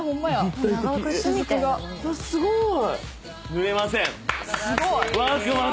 すごーい！